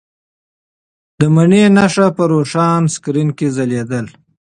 د مڼې نښه په روښانه سکرین کې ځلېدله.